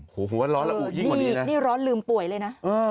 ผมว่าร้อนระอุยิ่งกว่านี้นะ